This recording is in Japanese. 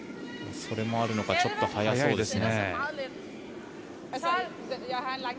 それもあるのかちょっと速そうですね。